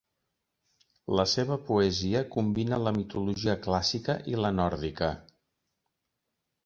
La seva poesia combina la mitologia clàssica i la nòrdica.